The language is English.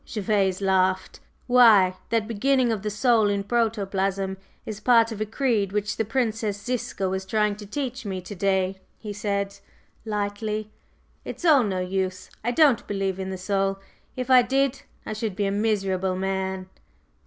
Gervase laughed. "Why, that beginning of the soul in protoplasm is part of a creed which the Princess Ziska was trying to teach me to day," he said lightly. "It's all no use. I don't believe in the soul; if I did, I should be a miserable man."